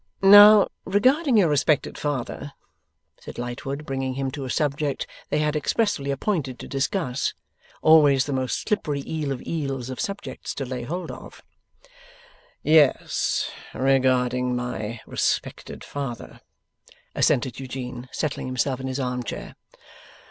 'Now, regarding your respected father,' said Lightwood, bringing him to a subject they had expressly appointed to discuss: always the most slippery eel of eels of subjects to lay hold of. 'Yes, regarding my respected father,' assented Eugene, settling himself in his arm chair.